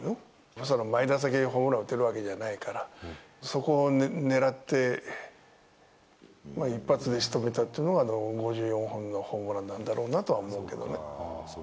まさか毎打席ホームラン打てるわけじゃないから、そこを狙って、一発でしとめたっていうのが、５４号のホームランなんだろうなと思うんだけど。